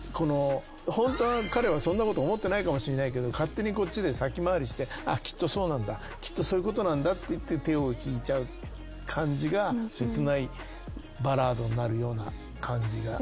ホントは彼はそんなこと思ってないかもしれないけど勝手にこっちで先回りしてきっとそうなんだきっとそういうことなんだっていって手を引いちゃう感じが切ないバラードになるような感じが。